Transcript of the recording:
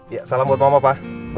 ya salam buat mama pak